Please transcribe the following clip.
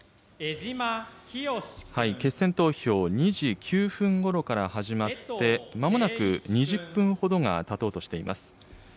決選投票、２時９分ごろから始まって、まもなく２０分ほどがたとうとしています。